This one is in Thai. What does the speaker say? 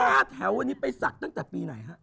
เอาเดี๋ยวก่อน๕แถวไปสักตั้งแต่ปีไหนค่ะ